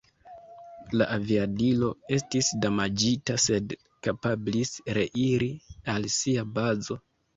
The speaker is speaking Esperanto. La aviadilo estis damaĝita, sed kapablis reiri al sia bazo.